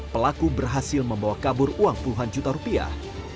pelaku berhasil membawa kabur uang puluhan juta rupiah